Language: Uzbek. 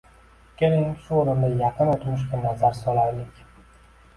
Keling, shu o`rinda yaqin o`tmishga nazar solaylik